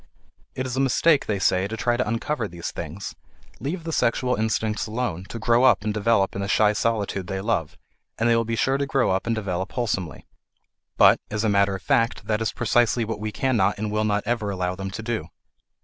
It is a mistake, they say, to try to uncover these things; leave the sexual instincts alone, to grow up and develop in the shy solitude they love, and they will be sure to grow up and develop wholesomely. But, as a matter of fact, that is precisely what we can not and will not ever allow them to do.